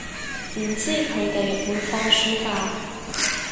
唔知佢哋會放暑假